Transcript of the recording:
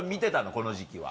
この時期は。